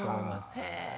へえ。